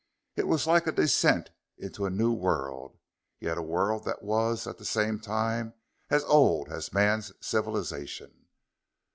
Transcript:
It was like a descent into a new world, yet a world that was, at the same time, as old as man's civilization....